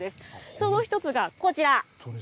その１つがこちら。